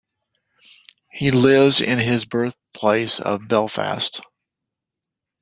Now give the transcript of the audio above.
He lives in his birthplace of Belfast.